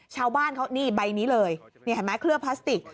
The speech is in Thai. ชาวบ้านเขานี่ใบนี้เลยเครือพลาสติก